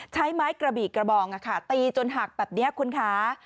ใช้ไม้กระบี่กระบองตีจนหักแบบนี้คุณคะ